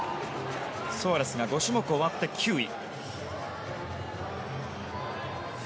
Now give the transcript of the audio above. ソアレスが５種目終わって９位。